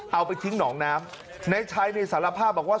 เอาไปทิ้งหนองน้ำในชัยในสารภาพบอกว่า